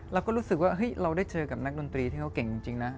เราก็รู้สึกว่าเราได้เจอกับนักดนตรีที่เขาเก่งจริงนะ